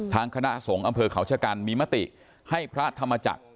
คณะสงฆ์อำเภอเขาชะกันมีมติให้พระธรรมจักร